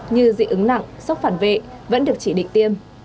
như dị ứng nặng sốc phản vệ vẫn được chỉ định tiêm